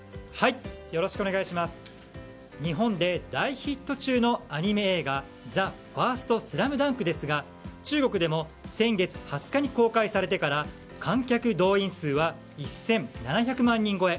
日本で大ヒット中のアニメ映画「ＴＨＥＦＩＲＳＴＳＬＡＭＤＵＮＫ」ですが中国でも先月２０日に公開されてから観客動員数は１７００万人超え。